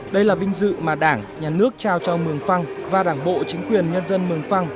đây là vinh dự mà đảng nhà nước trao cho mường phăng và đảng bộ chính quyền nhân dân mường phăng